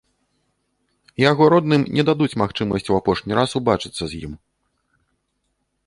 Яго родным не дадуць магчымасць ў апошні раз убачыцца з ім.